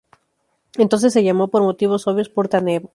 Entonces se llamó, por motivos obvios, puerta Nueva.